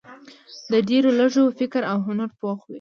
د ډېرو لږو فکر او هنر پوخ وي.